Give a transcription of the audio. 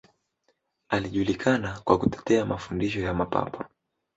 Alijulikana kwa kutetea mafundisho ya Mapapa.